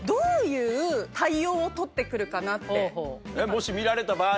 もし見られた場合。